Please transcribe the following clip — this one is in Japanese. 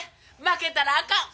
負けたらあかん！